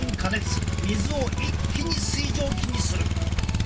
水を一気に水蒸気にする。